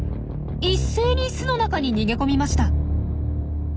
一斉に巣の中に逃げ込みました。